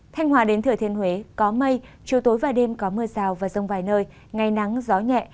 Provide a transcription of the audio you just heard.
thanh hòa đến thừa thiên huế có mây chiều tối và đêm có mưa rào và rông vài nơi ngày nắng gió nhẹ